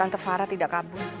untuk siapa bu